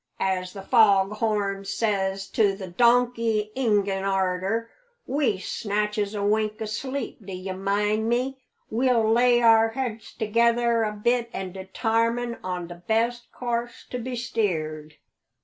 as the fog horn says to the donkey ingin arter we snatches a wink o' sleep, d'ye mind me, we'll lay our heads together a bit an' detarmine on the best course to be steered."